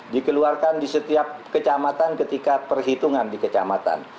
dikeluarkan di setiap kecamatan ketika perhitungan di kecamatan